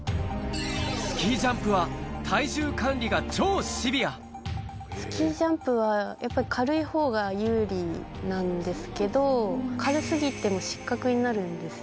スキージャンプは、スキージャンプは、やっぱ軽いほうが有利なんですけど、軽すぎても失格になるんですよ。